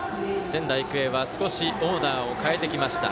仙台育英は少しオーダーを変えてきました。